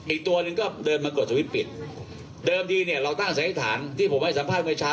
อีกตัวหนึ่งก็เดินมากดสวิตปิดเดิมทีเนี่ยเราตั้งสันนิษฐานที่ผมให้สัมภาษณ์เมื่อเช้า